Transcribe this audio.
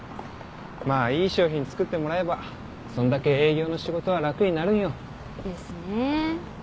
まあいい商品作ってもらえばそんだけ営業の仕事は楽になるんよ。ですね。